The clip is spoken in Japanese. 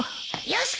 よし！